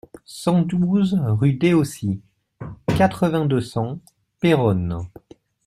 cent douze rue Dehaussy, quatre-vingts, deux cents, Péronne